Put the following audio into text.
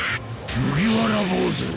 麦わら坊主。